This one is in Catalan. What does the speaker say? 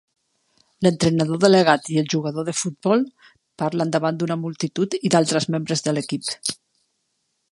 L'entrenador delegat i el jugador de futbol parlen davant d'una multitud i d'altres membres de l'equip.